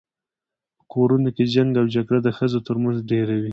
په کورونو کي جنګ او جګړه د ښځو تر منځ ډیره وي